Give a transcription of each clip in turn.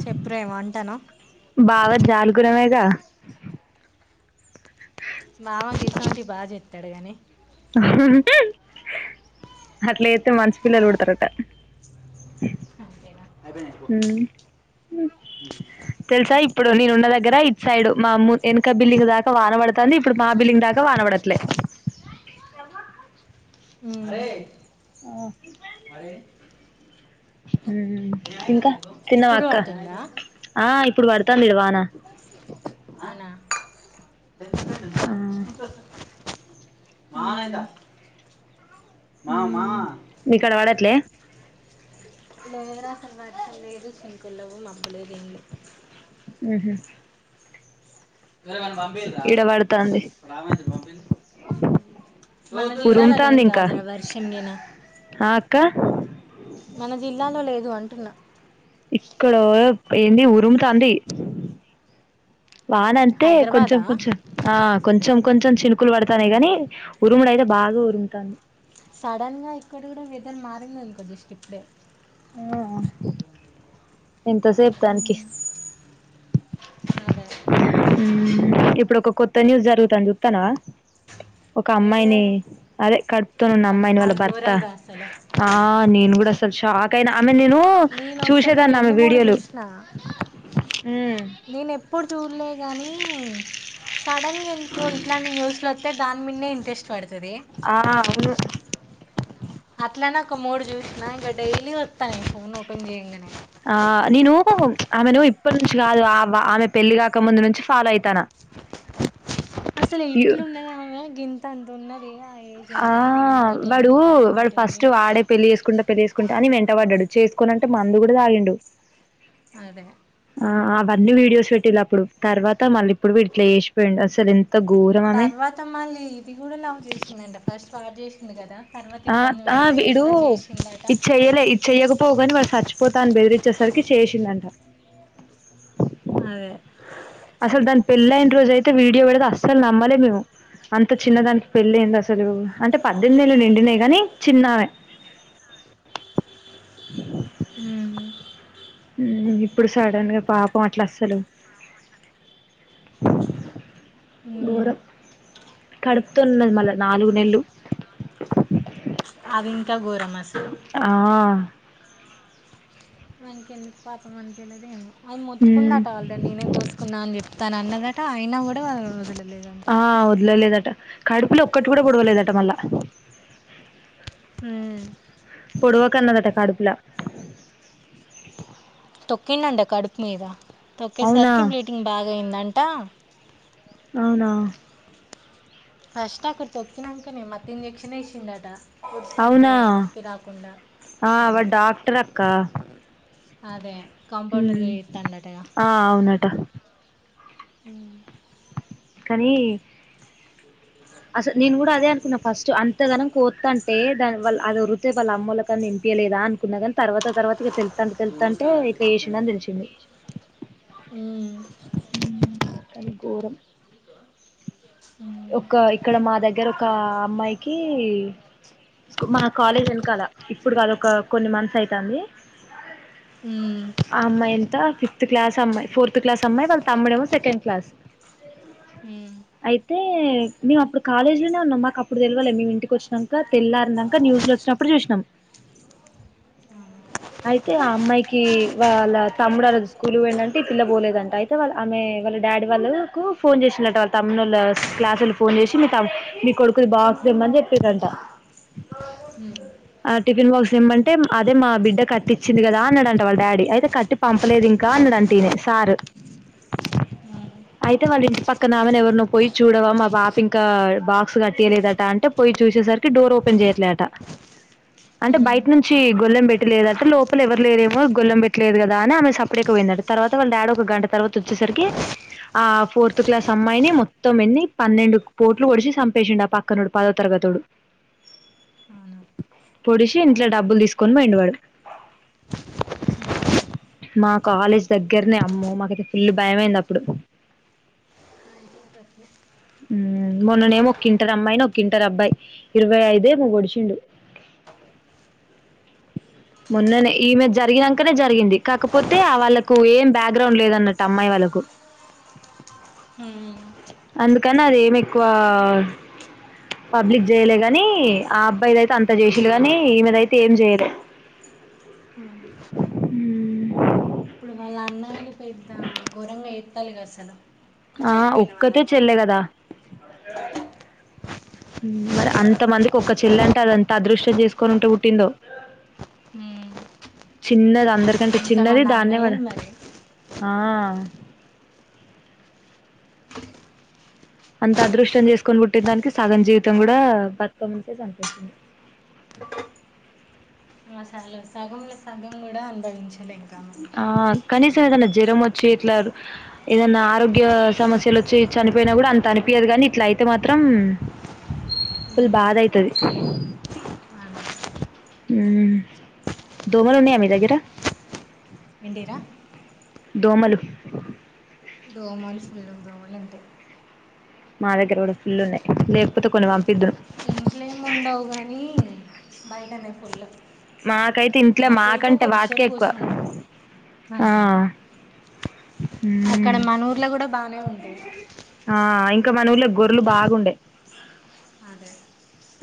చెప్పుర ఏమో అంటానవ్ నలుగురమేగా బావ గిసొంటివి బాగా చెస్తాడు గానీ అట్లా అయితే మంచి పిల్లలు పడతారట అంతేనా అయిపోయినాయి పో. ఊ తెల్సా ఇప్పుడు నేను ఉన్న దాగ్ గ్గర ఇట్ సైడ్ మా అమ్ వెనక బిల్లింగ్ దాకా వానబడుతంది ఇప్పుడు మా బిల్లింగ్ దాకా వాన పడట్లే ఊ ఓ నేను అయితేరా ఇంకా నీకు తిన్నవ ఇప్పుడు అక్క పడుతుందా ఆ ఇప్పుడు పడుతు డుతంది గా వాన అవునా టెన్త్ ఫ్రెండ్ ఉందా? ఆహ్ మా [unintelligible] మా మా మికాడ పడట్లే లేదు రా అస్సలు వర్షం లేదు చినుకులు లేవు మబ్బులేదు ఏం లేదు ఆహ పడుతాంది ఉరుముతాంది ఇంకా ఆ అక్క [unintelligible] మన జిల్లాలో లేదు అంటున్నా. ఇక్కడ ఏంది ఉరుము తాంది వాన అంతే కొంచెం హైదరాబాదా కొంచెం ఆహ్ కొంచెం కొంచెం చీను కులు పడతానయి ఉమ్. కాని ఉరుముడు అయితే బాగా ఉరుముతంది సడన్ గా ఇక్కడ కూడా వెదర్ మారిందనుకో జస్ట్ ఇప్పుడే ఆ ఎంతసేపు దానికి అదే ఇప్పుడు ఒక కొత్త న్యూస్ జరుగుతంది అ చూప్తానా ఒక అమ్మాయిని ఏంటిదది అదే కడుపుతానున్న బా అమ్మాయిని వాళ్ళ అది భర్త ఘోరం రా అసలు ఆ నేను కూడా షాక్ కైనా నేనొక్కటి రెండు మూడు వీడియోలు చూసిన నేను ఎప్పుడు చూడలే కానీ సడన్ గా ఎందుకు ఇట్లాంటి న్యూస్లు వస్తే దాని మీదనే ఇంట్రెస్ట్ పడుతుంది ఆ అవును ఇట్లనే ఒక మూడు చూసినా ఇంక డైలీ వస్తాయి ఫోన్ ఓపెన్ చేయంగానే ఆ నేను ఆమెనువు ఇప్పటి నుంచి కాదు ఆ ఆమె పెళ్లి కాక ముందు నుంచి ఫాలో అయిత అసలు ఇట్లుండదామెే గింత అంత రొన్నది ఆ వాడు వాడు ఫస్ట్ ఏంది వాడే పెళ్ళి చేేసుకుంటా పెళ్ళి చేేసుకుంటా అని వెంటపడడు చేసుకోనింటే మందు కూడా తాగిండు అదే ఆ అవన్నీ వీడియోస్ పెట్టటిలా అప్పుడు తర్వాత మళ్ళీ ఇప్పుడు వీటిలో చేసిపోయిడు అసలు ఘోరం ఆమె తర్వాతమ్మళ్ళీ ఇది కూడా లవ్ చేసిందంటా ఫస్ట్ వాడు చేసింది కదా తర్వాత ఆ ఇబ్బంది ఆ పెడితే ఇది వీడు కూడా చేసిందట ఇది చెయ్యలే ఇది చెయ్యకపోగాని వాడు చచ్చిపోతా అని బెదిరించేసరికి చేసిందంట అదే అసలు దాని పెళ్లయిన రోజు అయితే వీడియో పెడితే అసలు నమ్మలే మేము అంత చిన్న దానికి పెళ్లింది అసలు అంటే పదిహేను నేలలు నిండినై కాని చిన్నామే హ ఇప్పుడు సడన్ గా పాపం అట్లా అసలు ఉమ్. గోరం కడుపు న్నది మళ్ళా నాలుగు నెలలు అవింకా గోరం ఆ మనకి ఎందుకు పాతం అన వెలేదేమో అది మొత్తుకున్నట ఆల్రెడీ నేనే కోసుకున్నా అని చెప్పి తన అన్నదా అంటే అయినా కూడా వాళ్ళ వదలలేదంట ఆ వదలలేదట కడుపులో ఒక్కటి కూడా పొడవలేదట మళ్ళా అ పొడువ కన్నదటా కడుపులా తొక్కిండండి కడుపు మీద అవునా తొక్కేసరికి బ్లీడింగ్ బాగాయందంట అవునా ఫస్ట్ అక్కడ తొక్కినాక న మత్త ఇంజెక్షన్ వేసిండట వడ్స్ అంటే అవునా నొప్పి రాకుండా కుక్క అదే కాంపౌండర్గ జీతాండటగ ఆ అవునట అ కానీ అసలు నేను కూడా అదే అనుకున్నాను ఫస్ట్ అంతగాన కోతు అంటే దాని వా అది ఒరితే వాళ్ళ అమ్మలకని నింపించయలేదా అనుకున్నా కాని తర్వాత తర్వాత ఇక తెలు తంట తెలుతుంటే చేసినావు దాంట్లో ఇట్లా కిచెన్ వసిండ అని తెలిసింది ఉమ్, కానీ ఘోరం ఉమ్, ఇక్కడ మా దగ్గర ఒక అమ్మాయికి మా కాలేజ్ వెనుకాల ఇప్పుడు కదా ఒక కొన్ని మంత్స్ అవుతుంది ఉమ్, ఆ అమ్మాయి ఎంత ఫిఫ్త్ క్లాస్ అమ్మాయి ఫోర్త్ క్లాస్ సమ్మ ఇ వాళ తమ్ముడెమ్మో సెకండ్ క్లాస్ ఉమ్, అయితే మేము అప్పుడు కాలేజీ లోనే ఉన్నాం మాకు అప్పుడు తెలివాలె మేము ఇంటికి వచ్చినాక తెల్లార్నంక న్యూస్ లో వచ్చినప్పుడు చూసినాం అవును [inaudible] అయితే ఆ అమ్మాయికి వాళ్ళ తమ్ముడు అ రోజు స్కూల్కి పోయిండంట ఈపిల్ల పోలేదంట అయితే వాళ్ళ ఆమె వాళ్ళ డాడీ వాళ్ళ ఫోన్ చేసినట్ట వాళ్ళ తమ్ము వాళ్ళ క్లాసు వాళ్ళు ఫోన్ చేసి మీ తమ్ మీ కొడుకుది బాక్స్ తెమ్మని చెప్పారంట హ [inaudible] టిఫిన్ బాక్స్ ఇమ్మంటే అదే మా బిడ్డ కట్టిచ్చింది కదా అన్నాడంట వాళ్ళ డాడీ అయితే కట్టి పంపలేదు ఇంకా అన్నాడంట ఈయనే సారు ఉమ్, అయితే వాళ్ళ ఇంటి పక్కనమెని ఎవరినో పోయి చూడవా మా బాప ఇంకా బాక్స్ కట్టటియలేదట అంటే పోయి చూసేసరికి డోర్ ఓపెన్ చేయట్లే అట అంటే ఉమ్, బయట నుంచి గొల్లెం పెట్టిలేద లోపల ఎవరు లేరేమో గొల్లం పెట్టలేదు కదా అని ఆమె సపడేక వెయినాడు తర్వాత వాళ్ళ డాడీ ఒక గంట తర్వాత వచ్చేసరికి ఆ ఫోర్త్ క్లాస్ అమ్మాయిని మొత్తం ఎన్ని పన్నెండు పోట్లు పొడిసి చంపేసిడు ఆ పక్కనుడు పదో తరగతుడు అవునా పొడిసి ఇంట్లో డబ్బులు తీసుకొని పోయిడు వాడు మా కాలేజ్ దగ్గరనే అమ్మ మాకైతే ఫుల్ భయమయింది అప్పుడు మున్ననే ముకింది ఇ అమ్మాయిని ఒకంటరు అబ్బాయి ఇరవై ఐదే మగడిచిండు మొన్ననే ఈమెద జరిగినాకనే జరిగింది కాకపోతే వాళ్ళలకు ఏం బ్యాక్గ్రౌండ్ లేదన్నట్టు అమ్మాయి వాళ్ళకు హ కానీ అద ఏమి ఎక్కువ పబ్లిక్ చేయలే కానీ ఆ అబ్బాయిద అయితే అంత చేసలే కానీ ఈమెద అయితే ఏం చేయలే అవు ఆ ఇప్పుడు వాళ్ళ అన్నగారి పెద్ద ఘోరంగా ఎత్తాలి కదా అసలు ఇప్పుడు ఆ చనిపోయిన వాళ్ళ ఒక్కతే చెల్ల అన్నయ్యలు కదా అదే మరి అంత మందికి ఒకక్క చెల్ల అంటే అదంత అదృష్ట్యం చేసుకొని ఉంటే పుట్టిందో హ చిన్నది అందరి ఎకంటే చిన్నది దాన్నే కూడా అన్నయ్యలు మరి ఆ అంత అదృష్టం చేసుకొని పుట్టిదానికి సగం జీవితం కూడా బతుకమ్మంటే సంతోషం మాసాలో సగంలో సగం కూడా అనుభవించలే మనం. ఆ కనీసం ఏదనా జ్వరం వచ్చి ఇట్లా ఏదన్నా ఆరోగ్య సమస్యలు వచ్చి చనిపోయినా కూడా అంత అనిపయదు గానీ ఇట్లా అయితే మాత్రం ఫుల్ ఉమ్, బాధ అయితది అవునా. దోమలు ఉన్నాయా మీ దగ్గర ఏంటీరా దోమలు దోమలు ఫుల్ దోమలు ఉంటాయి మా దగ్గర కూడా ఫుల్ ఉన్నాయి లేకపోతే కొన్ని పం ఇంట్లోమి ఉండవు గాని బయటనే ఫుల్ మాకైతే ఇంట్లో నైట్ అయితే మాకంటే వాటికే కొద్దిసేపు ఎక్కువ కూర్చుంటాం ఆ అంతేనా ఉమ్ బానే ఉండాయి ఇంకా మానూర్లో గొర్రెలు బాగుండే అదే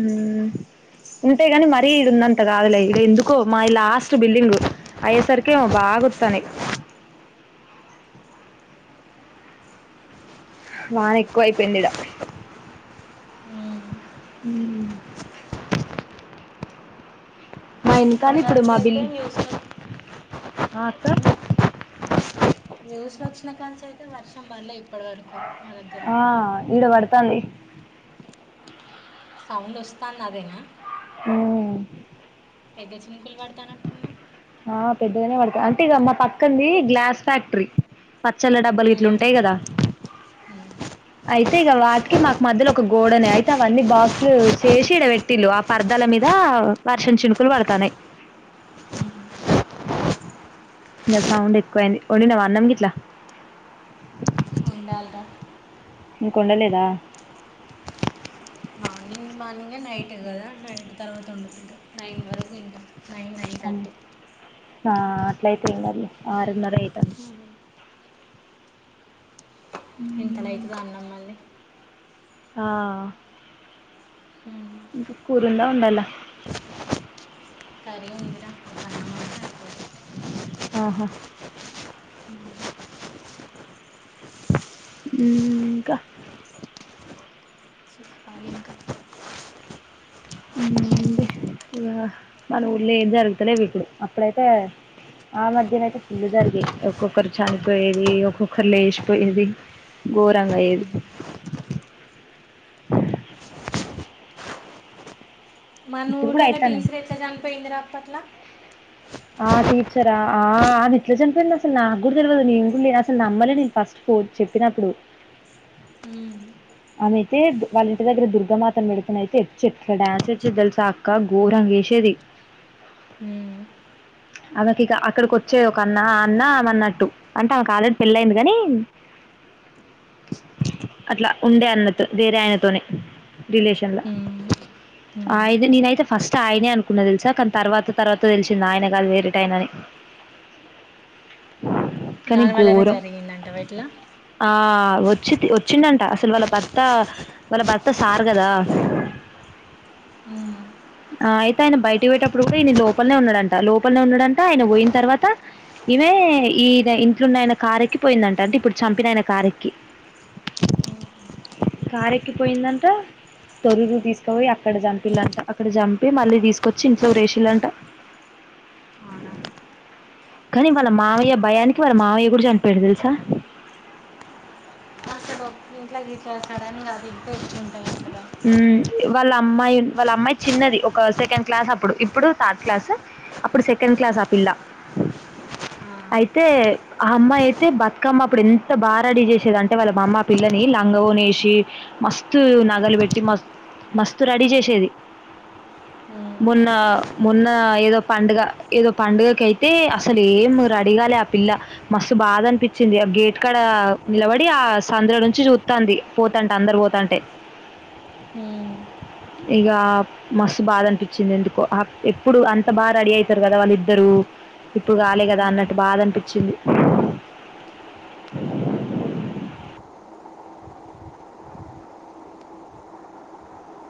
ఉ ఇంతేగాని మరీ ఇడు ఉందంత కాదులే ఇడ ఎందుకో మా లాస్ట్ బిల్డింగ్ అయ్యేసరికిమో బాగోత్తాని వాన ఎక్కువ అయిపోయిందిడా ఉమ్, ఉమ్ మా ఇన్కానీ ఇప్పటి ఇప్పుడు వరకు మాబిల్ అయితే న్యూస్లో ఆ అక్క న్యూస్ లో వచ్చినా కానేచే వర్షం బల్లె అప్పడి వరకు మా దగ్గర తన్ది సౌండ్ వస్తాంది అదేనా ఉమ్ పెద్ద చిన్నకులు పాడు ఆ పెద్దగానే పడత అంటే ఇక పక్కనే గ్లాస్ ఫ్యాక్టరీ పచ్చళ్ళ డబ్బలు ఉమ్, ఇట్లుంటాయి కదా ఉమ్, అయితే ఇక వాటికి మాకు మధ్యలో ఒక గోడనే అయితే అవన్నీ బాక్సులు శేసి ఇడ బేటురు ఆ పర్దాల మీద వర్షం చినుకులు పడతాన్నాయి దసౌండ్ ఎక్కువైది వండినవ అనం ఇట్ల ఉండాలగా ఇంక వండలేదా మార్నింగ్ నైట్ కదా నైట్ తర్వాత ఉండుకుంట నైన్ వరకు తింట నైన్ నైన్ థర్టీ ఆ ఆట్లాయితేంద ఆరూన్నర యితే థర్టీ ఇంత రైతుద అన్నాం మళ్ళీ ఆ ఉమ్. ఇక కురుంద ఉండాల కర్రీ ఉంది రా ఆహా ఇంకా చెప్పాలి ఇంకా ఇ మన ఊళ్ళ జరుగుతలేవు ఇప్పుడు అప్పుడైతే ఆ మధ్యన అయితే పుల్లు జరిగేయి ఒక్కొక్కరు చనిపోయేది ఒక్కొక్కరు లేచిపోయేది ఘోరంగా అయేది మన ఇప్పుడు కూడా ఊట్లో గ అయితాన్నాయి టీసర ఎట్లా చనిపోయిందిరా అప్పట్లా ఆ టీచరా ఆ ఆది ఇట్లా చనిపోయి అసలు నాకు కూడా తెలియదు నేను కూడా లేను అసలు నమ్మలే నేను ఫస్ట్ పో చెప్పినప్పుడు ఉమ్. ఆమెైతే వాళ్ళ ఇంటి దగ్గర దుర్గమాతను పెడుతునయితే ఎట్లా డ్యాన్స్ వచ్చి తెలుసా అక్క ఘోరంగేసేది ఉమ్. ఆమెకి ఇక అక్కడికి వచ్చే ఒక అన్న అన్న అన్నట్టు అంటే ఆమెకు ఆల్రెడీ పెళ్ళయింది కాని అట్లా ఉండే అన్నతో వేరే ఆయనతోనే రిలేషన్ లో ఉమ్. ఆయన నేనయితే ఫస్ట్ ఆయనే అనుకున్న తెలుసా కానీ తర్వాత తర్వాత తెలిసింది ఆయన కాదు వేరే ఏటోయినది దానివల్లనే జరిగిందంటట్లా ఆ వచ్చి వచ్చిండంట అసలు వాళ్ళ భర్త వాళ్ళ భర్త సారు కదా ఆ అయితే ఆయన బయటకి పోయేటప్పుడు కూడా ఈయన లోపలనే ఉన్నాడంట లోపల ఉన్నాడంట ఆయన పోయిన తర్వాత ఈమె ఈ ఇంట్లోన్న ఆయన కారెక్కి పోయిందంట అంటే ఇప్పుడు చంపిన ఆయన కారెక్కి కారెక్కి పోయిందంట తొరురు తీసుకయి అక్కడ చంపింట ఇక్కడ చంపి మళ్ళీ తీసుకొచ్చి ఇంట్లో రేషిలంట అవునా కాని వాళ్ళ మావయ్య భయానికి వాళ్ళ మావయ్య కూడా చంపడు తెలుసా ఇంట్లా ఇట్లా సడన్ గా అది ఇ వాళ్ళ అమ్మాయి వాళ్ళ అమ్మాయి చిన్నది ఒక సెకండ్ క్లాస్ అప్పుడు ఇప్పుడు థర్డ్ క్లాస్ అప్పుడు సెకండ్ క్లాస్ ఆ పిల్ల ఆ. అయితే ఆ అమ్మాయి అయితే బతుకమ్మ ఇప్పుడు ఎంత బాగా రెడీ చేసేది అంటే వాళ్ళ మా అమ్మ పిల్లని లంగ నేసి మస్తు నగలు పెట్టి మ మస్తుత్ రెడీ చేసేది మొన్న మొన్న ఏదో పండుగ ఏదో పండుగకి అయితే అసలు ఏం రెడీగాలి ఆ పిల్ల మస్తు బాధ అనిపించింది ఆ గేట్ కడ నిలబడి ఆ సంద్ర నుంచి చూస్తుంది పోతంటే అందరు పోతంటే ఉమ్. ఇక మస్తు బాధ అనిపించింది ఎందుకో ఎప్పుడు అంత బాగా రెడీ అయితారు కదా వాళ్ళ ఇద్దరు ఇప్పుడు కాలే కదా ఉమ్. అన్నట్టు అ బాధ అనిపించింది